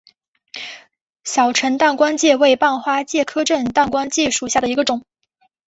小震旦光介为半花介科震旦光介属下的一个种。